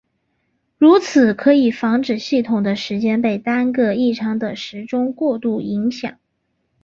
如此可以防止系统的时间被单个异常的时钟过度影响。